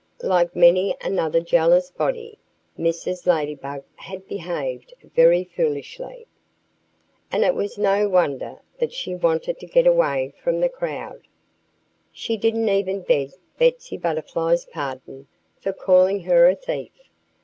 Like many another jealous body, Mrs. Ladybug had behaved very foolishly. And it was no wonder that she wanted to get away from the crowd. She didn't even beg Betsy Butterfly's pardon for calling her a thief.